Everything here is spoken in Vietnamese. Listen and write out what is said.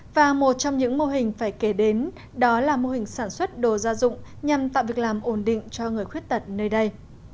và một trong những mô hình phải kể đến đó là mô hình sản xuất đồ gia dụng nhằm tạo việc làm ổn định cho người khuyết tật nơi đây